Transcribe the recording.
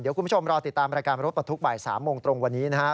เดี๋ยวคุณผู้ชมรอติดตามรายการรถประทุกบ่าย๓โมงตรงวันนี้นะครับ